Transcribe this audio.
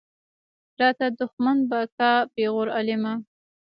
راته دښمن به کا پېغور عالمه.